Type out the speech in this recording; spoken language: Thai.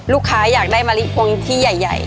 ลูกค้าอยากได้มาลิพวงที่ใหญ่